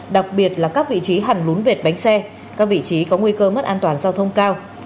đặc biệt là các vị trí hàn lún vệt bánh xe các vị trí có nguy cơ mất an toàn giao thông cao